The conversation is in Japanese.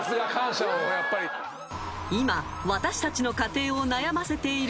［今私たちの家庭を悩ませている］